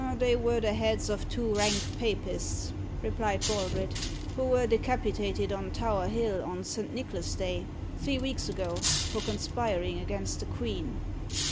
"They were the heads of two rank papists," replied Baldred, "who were decapitated on Tower Hill, on Saint Nicholas's Day, three weeks ago, for conspiring against the queen."